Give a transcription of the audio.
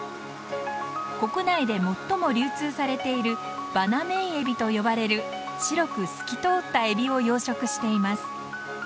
国内で最も流通されているバナメイエビと呼ばれる白く透き通ったエビを養殖しています。